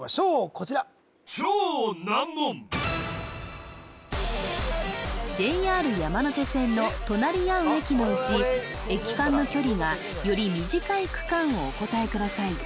こちらＪＲ山手線の隣り合う駅のうち駅間の距離がより短い区間をお答えください